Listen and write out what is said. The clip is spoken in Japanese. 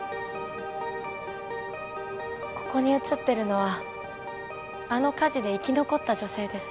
ここに写っているのはあの火事で生き残った女性です。